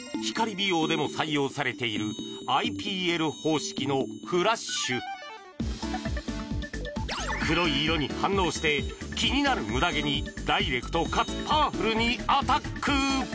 美容でも採用されているＩＰＬ方式のフラッシュ黒い色に反応して気になるムダ毛にダイレクトかつパワフルにアタック！